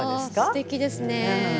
すてきですね。